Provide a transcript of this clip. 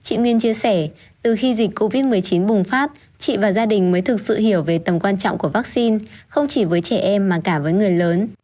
chị nguyên chia sẻ từ khi dịch covid một mươi chín bùng phát chị và gia đình mới thực sự hiểu về tầm quan trọng của vaccine không chỉ với trẻ em mà cả với người lớn